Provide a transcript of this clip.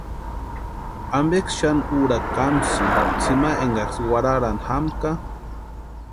¿Ampeksï xani úrakwa kamsïni tsʼïma énkaksï warharani jamkʼa?